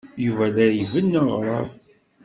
Yuba la ibennu aɣrab.